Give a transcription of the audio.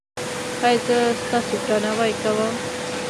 ایا زه ستاسو درناوی کوم؟